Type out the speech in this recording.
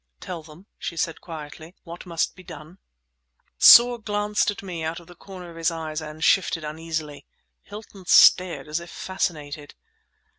"Tell them," she said quietly, "what must be done." Soar glanced at me out of the corner of his eyes and shifted uneasily. Hilton stared as if fascinated.